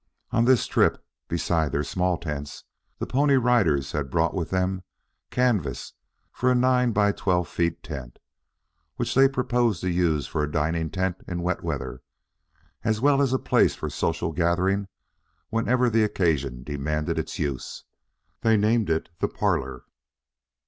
On this trip, besides their small tents, the Pony Riders had brought with them canvas for a nine by twelve feet tent, which they proposed to use for a dining tent in wet weather, as well as a place for social gathering whenever the occasion demanded its use. They named it the parlor.